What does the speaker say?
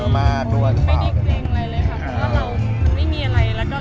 ไม่ดีไปจริงอะไรเลยค่ะ